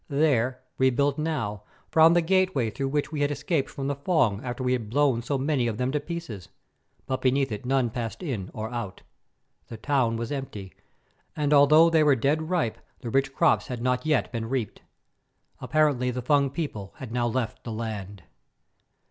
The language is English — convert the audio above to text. There, rebuilt now, frowned the gateway through which we had escaped from the Fung after we had blown so many of them to pieces, but beneath it none passed in or out. The town was empty, and although they were dead ripe the rich crops had not yet been reaped. Apparently the Fung people had now left the land.